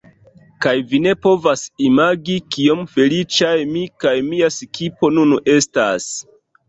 Kaj vi ne povas imagi kiom feliĉaj mi kaj mia skipo nun estas